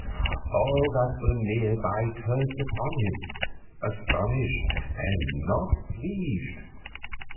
All that were near by turned upon him, astonished and not pleased.